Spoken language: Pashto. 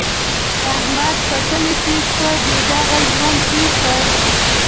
احمد په کلي کې ښه بې داغه ژوند تېر کړ.